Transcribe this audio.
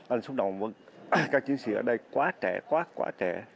anh xúc động các chiến sĩ ở đây quá trẻ quá quá trẻ